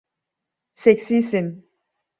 Seksisin.